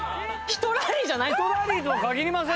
ひとラリーとは限りませんよ。